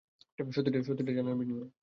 সত্যিটা জানার বিনিময়ে।